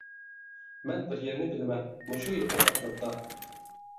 مەن بىر يەرنى بىلىمەن، مۇشۇ يېقىن ئەتراپتا.